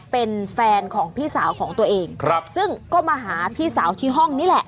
เป็นแฟนของพี่สาวของตัวเองครับซึ่งก็มาหาพี่สาวที่ห้องนี่แหละ